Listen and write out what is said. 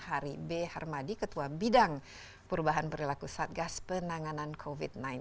hari b harmadi ketua bidang perubahan perilaku satgas penanganan covid sembilan belas